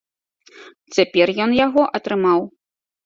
Цяпер ён яго атрымаў.